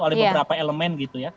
oleh beberapa elemen gitu ya